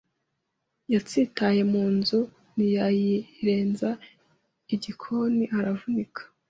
Yatsitaye munzu ntiyayirenza igikoni aravunika